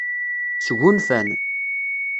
Sgunfan.